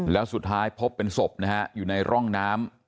แล้วสุดท้ายพบเป็นศพนะฮะอยู่ในร่องน้ำ